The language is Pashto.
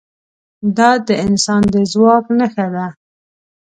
دا د انسان د ځواک نښه ده.